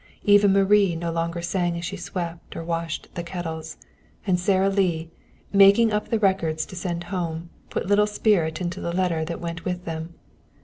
Even Marie no longer sang as she swept or washed the kettles, and Sara Lee, making up the records to send home, put little spirit into the letter that went with them.